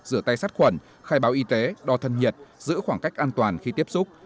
rửa tay sát khuẩn khai báo y tế đo thân nhiệt giữ khoảng cách an toàn khi tiếp xúc